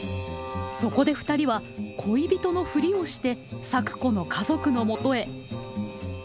そこでふたりは恋人のフリをして咲子の家族のもとへ。